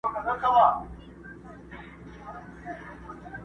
په دريو مياشتو كي به لاس درنه اره كړي،